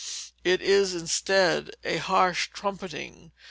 It is, instead, a harsh trumpeting.